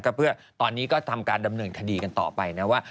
ก็เพื่อตอนนี้ก็ทำการดำเนินคดีกันต่อไปนะว่า